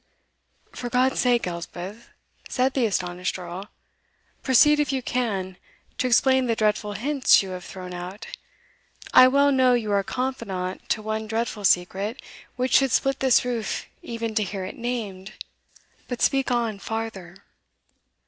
"For God's sake, Elspeth," said the astonished Earl, "proceed, if you can, to explain the dreadful hints you have thrown out! I well know you are confidant to one dreadful secret, which should split this roof even to hear it named but speak on farther."